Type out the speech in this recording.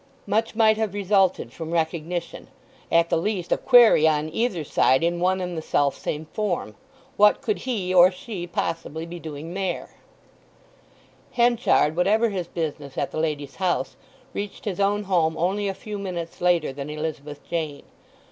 Much might have resulted from recognition—at the least a query on either side in one and the selfsame form: What could he or she possibly be doing there? Henchard, whatever his business at the lady's house, reached his own home only a few minutes later than Elizabeth Jane.